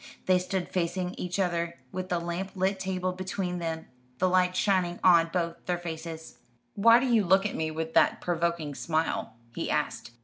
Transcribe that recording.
They stood facing each other, with the lamplit table between them, the light shining on both their faces. "Why do you look at me with that provoking smile?" he asked.